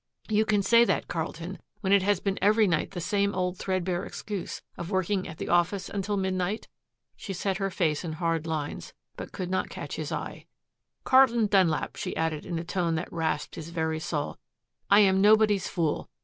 "You can say that, Carlton, when it has been every night the same old threadbare excuse of working at the office until midnight?" She set her face in hard lines, but could not catch his eye. "Carlton Dunlap," she added in a tone that rasped his very soul, "I am nobody's fool.